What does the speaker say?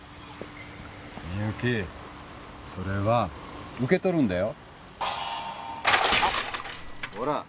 みゆきそれは受け取るんだよこら